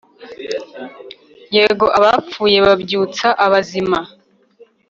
yego abapfuye babyutsa abazima